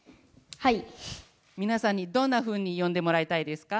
皆さんに、どんなふうに呼んでもらいたいですか？